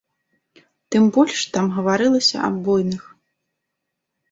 Тым больш там гаварылася аб буйных.